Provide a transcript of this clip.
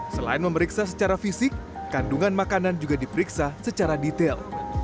selain memeriksa secara fisik kandungan makanan juga diperiksa secara detail